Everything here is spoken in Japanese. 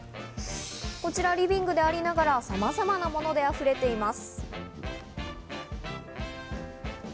こちらはリビングでありながらも、様々なもので溢れています。